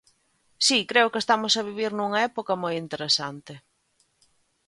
Si, creo que estamos a vivir nunha época moi interesante.